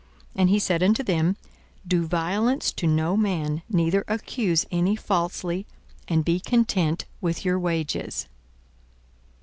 And he said unto them, Do violence to no man, neither accuse any falsely; and be content with your wages.